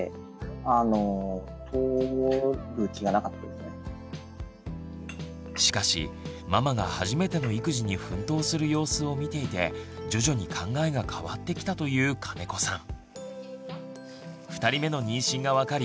ですがしかしママが初めての育児に奮闘する様子を見ていて徐々に考えが変わってきたという金子さん。